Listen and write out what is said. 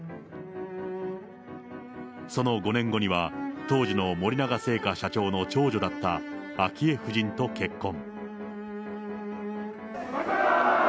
その５年後には、当時の森永製菓社長の長女だった、昭恵夫人と結婚。